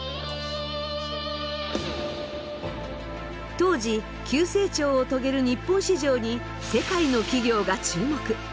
当時急成長を遂げる日本市場に世界の企業が注目。